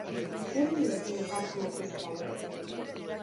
Zer diote datu ofizialek?